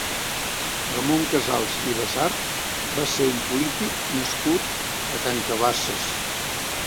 Ramon Casals i Basart va ser un polític nascut a Can Cabasses.